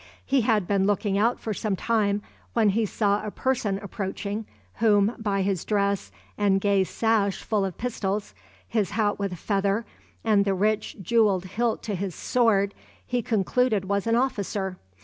He had been looking out for some time when he saw a person approaching, whom, by his dress and gay sash full of pistols, his hat with a feather, and the rich, jewelled hilt to his sword, he concluded was an officer.